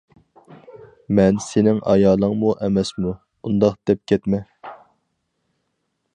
مەن سېنىڭ ئايالىڭمۇ ئەمەسمۇ؟ — ئۇنداق دەپ كەتمە.